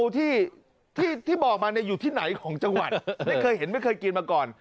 ที่บอกมาอยู่ที่ไหนของจังหวัดไม่เคยเห็นไม่เคยกินมาก่อน